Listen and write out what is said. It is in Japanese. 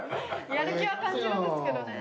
やる気は感じるんですけどね。